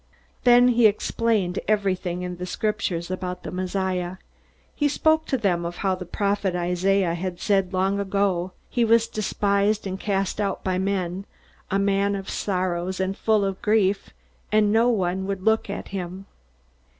Then he explained everything in the Scriptures about the Messiah. He spoke to them of how the Prophet Isaiah had said long ago: "He was despised and cast out by men; a man of sorrows and full of grief; and no one would look at him.